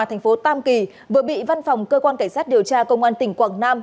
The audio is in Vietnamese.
thành phố tam kỳ vừa bị văn phòng cơ quan cảnh sát điều tra công an tỉnh quảng nam